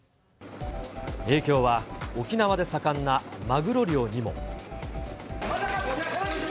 影響は沖縄で盛んな、マグロ漁にも。